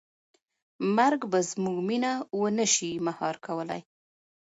مرګ به زموږ مینه ونه شي مهار کولی.